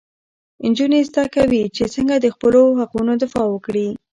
نجونې زده کوي چې څنګه د خپلو حقونو دفاع وکړي.